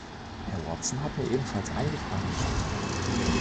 Herr Watson hat mir ebenfalls einige Fragen gestellt.